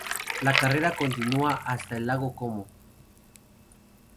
La carretera continúa hasta el lago Como.